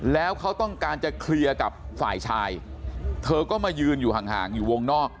แล้วเขาต้องการจะเคลียร์กับฝ่ายชายเธอก็มายืนอยู่ห่างอยู่วงนอก